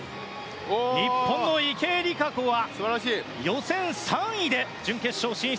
日本の池江璃花子は予選３位で準決勝進出。